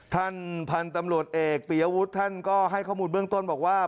ท่านพันธุ์ตำรวจเอกปียวุฒิท่านก็ให้ข้อมูลเบื้องต้นบอกว่า